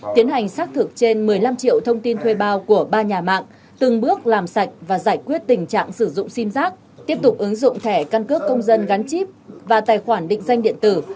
tiến hành xác thực trên một mươi năm triệu thông tin thuê bao của ba nhà mạng từng bước làm sạch và giải quyết tình trạng sử dụng sim giác tiếp tục ứng dụng thẻ căn cước công dân gắn chip và tài khoản định danh điện tử